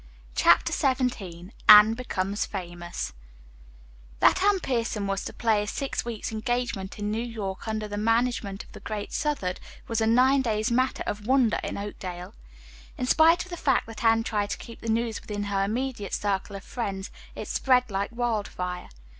CHAPTER XVII ANNE BECOMES FAMOUS That Anne Pierson was to play a six weeks' engagement in New York under the management of the great Southard was a nine days' matter of wonder in Oakdale. In spite of the fact that Anne tried to keep the news within her immediate circle of friends, it spread like wildfire.